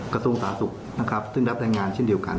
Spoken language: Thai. กระทรวงสาธารณสุขนะครับซึ่งรับรายงานเช่นเดียวกัน